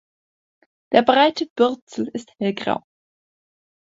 Der breite Bürzel ist hellgrau.